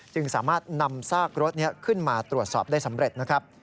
จึงสามารถนำซากรถนี้ขึ้นมาตรวจสอบได้สำเร็จนะครับ